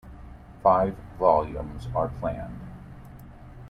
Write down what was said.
Five volumes are planned.